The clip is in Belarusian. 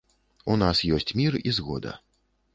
У нас ёсць мір і згода.